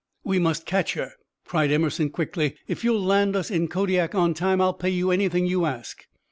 "We must catch her," cried Emerson, quickly. "If you'll land us in Kodiak on time I'll pay you anything you ask."